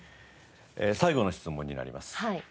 最後の質問になります。